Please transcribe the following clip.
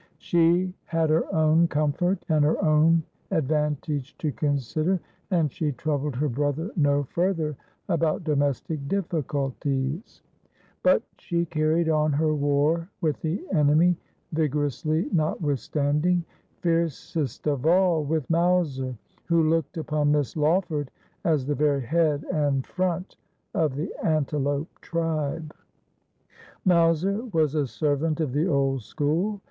She had her own comfort and her own advantage to con sider, and she troubled her brother no further about domestic difficulties : but she carried on her war with the enemy vigor ously notwithstanding — fiercest of all with Mowser, who looked upon Miss Lawf ord as the very head and front of the antelope tribe. Mowser was a servant of the old school.